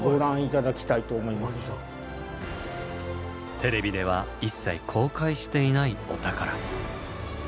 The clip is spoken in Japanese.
テレビでは一切公開していないお宝。